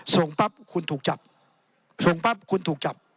ปั๊บคุณถูกจับส่งปั๊บคุณถูกจับ